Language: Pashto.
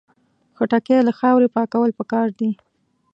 خټکی له خاورې پاکول پکار دي.